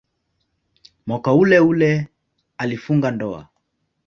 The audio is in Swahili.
Mwaka uleule alifunga ndoa.